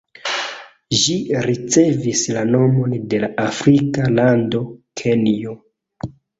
Ĝi ricevis la nomon de la afrika lando Kenjo.